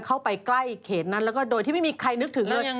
เข้าไปใกล้เขตนั้นแล้วก็โดยที่ไม่มีใครนึกถึงเลย